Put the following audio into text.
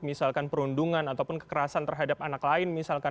misalkan perundungan ataupun kekerasan terhadap anak lain